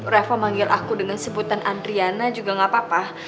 revo manggil aku dengan sebutan andriana juga gak apa apa